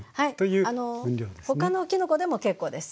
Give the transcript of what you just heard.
他のきのこでも結構です。